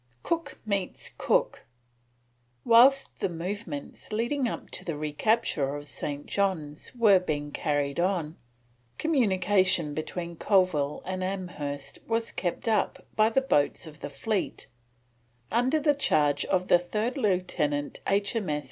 COOK MEETS COOK. Whilst the movements leading up to the recapture of St. John's were being carried on, communication between Colville and Amherst was kept up by the boats of the fleet under the charge of the third lieutenant of H.M.S.